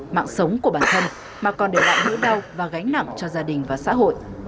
mạng sống của bản thân mà còn để lại nữ đau và gánh nặng cho gia đình và xã hội